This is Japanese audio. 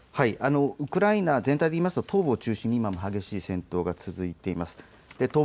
ウクライナ全体で言うと東部を中心に今も激しい戦闘が続いています。